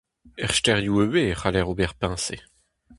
Er stêrioù ivez e c'haller ober peñse.